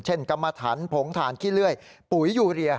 เช่นกรรมฐานผงฐานขี้เลื่อยปุ๋ยอยู่เรีย